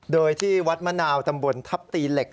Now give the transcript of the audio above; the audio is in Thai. โดยที่วัดมะนาวตำบลทัพตีเหล็ก